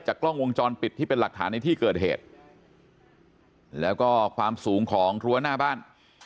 กล้องวงจรปิดที่เป็นหลักฐานในที่เกิดเหตุแล้วก็ความสูงของรั้วหน้าบ้าน